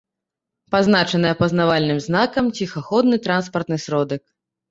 Пазначаны апазнавальным знакам “Ціхаходны транспартны сродак”